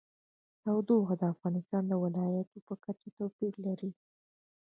تودوخه د افغانستان د ولایاتو په کچه توپیر لري.